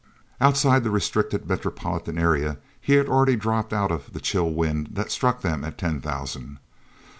Outside the restricted metropolitan area he had already dropped out of the chill wind that struck them at ten thousand.